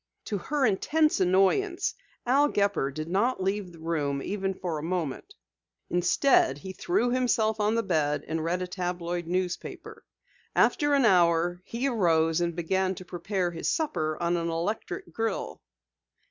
To her intense annoyance, Al Gepper did not leave the room even for a moment. Instead he threw himself on the bed and read a tabloid newspaper. After an hour, he arose and began to prepare his supper on an electric grill.